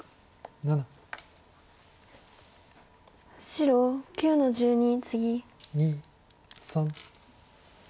白９の十二ツギ。